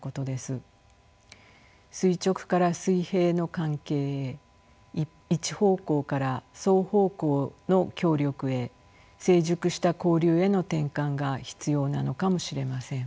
垂直から水平の関係へ一方向から双方向の協力へ成熟した交流への転換が必要なのかもしれません。